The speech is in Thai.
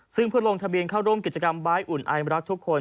ซึ่งเพื่อลงทะเบียนเข้าร่วมกิจกรรมบายอุ่นไอรักทุกคน